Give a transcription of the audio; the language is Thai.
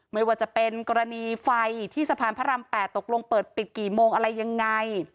ไม่ว่าจะเป็นกรณีไฟที่สะพานพระราม๘ตกลงเปิดปิดกี่โมงอะไรยังไง